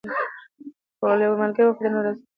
که ملګری وفادار وي نو راز نه افشا کیږي.